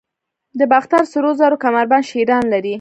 د باختر سرو زرو کمربند شیران لري